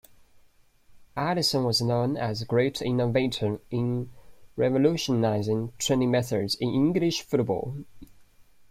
Allison was known as a great innovator in revolutionising training methods in English football.